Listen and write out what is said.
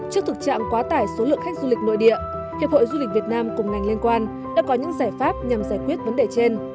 trước thực trạng quá tải số lượng khách du lịch nội địa hiệp hội du lịch việt nam cùng ngành liên quan đã có những giải pháp nhằm giải quyết vấn đề trên